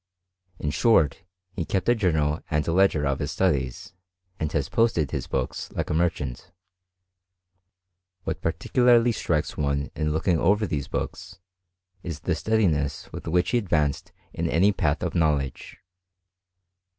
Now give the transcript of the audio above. In short, he kept a journal and ledger of his studies, and has posted his books like a merchant. What particularly strikes one in looking over these books, is the steadiness with which he advanced in any path of knowledge.